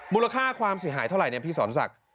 มูลค่าความเสียหายเท่าไหร่เนี่ยพี่สอนศักดิ์